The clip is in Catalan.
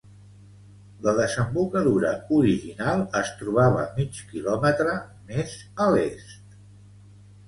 La desembocadura original es trobava mig kilòmetre més a l'est.